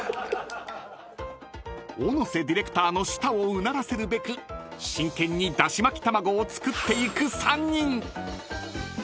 ［小野瀬ディレクターの舌をうならせるべく真剣にだし巻き玉子を作っていく３人］